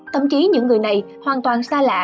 thậm chí những người này hoàn toàn xa lạ